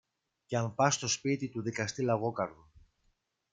και αν πας στο σπίτι του δικαστή Λαγόκαρδου